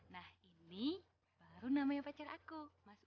nah ini baru namanya pacar aku mas ujo